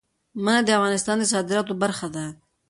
منی د افغانستان د صادراتو برخه ده.